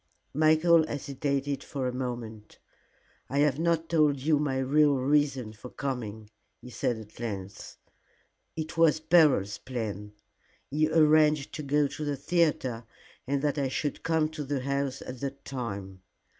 Michael hesitated for a moment. "I have not told you my real reason for coming," he said at length. "It was Beryl's plan. He arranged to go to the theatre, and that I should come to the house at that time.